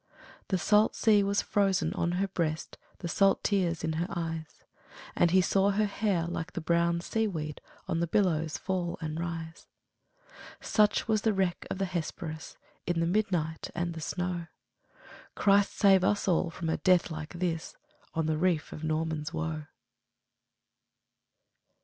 The salt sea was frozen on her breast, The salt tears in her eyes; And he saw her hair like the brown sea weed On the billows fall and rise. Such was the wreck of the Hesperus, In the midnight and the snow! Christ save us all from a death like this, On the reef of Norman's Woe!